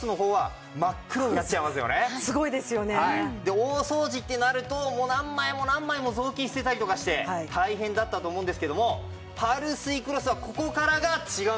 大掃除ってなると何枚も何枚も雑巾捨てたりとかして大変だったと思うんですけどもパルスイクロスはここからが違うんですね。